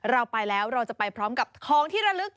เราไปแล้วเราจะไปพร้อมกับของที่ระลึก